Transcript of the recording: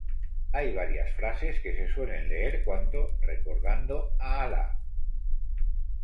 Hay varias frases que se suelen leer cuando recordando a Allah.